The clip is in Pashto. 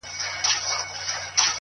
او ستا اوښکي د زم زم څو مرغلري